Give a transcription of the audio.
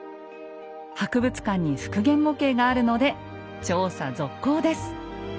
博物館に復元模型があるので調査続行です。